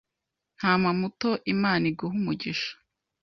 Ntama muto Imana iguhe umugisha